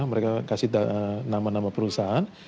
mereka kasih nama nama perusahaan